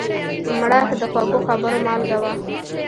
مړه د خوږو خبرو مالګه وه